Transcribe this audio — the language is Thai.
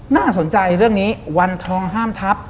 น่าสนใจเรื่องนี้วันทองห้ามทัพ